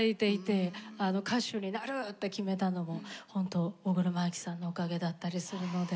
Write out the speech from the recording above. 歌手になるって決めたのもほんと大黒摩季さんのおかげだったりするので。